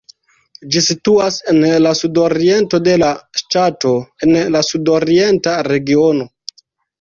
Ĝi situas en la sudoriento de la ŝtato en la Sudorienta regiono.